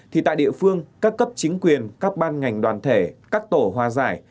thì tại địa phương các cấp chính quyền các ban ngành đoàn thể các tổ hòa giải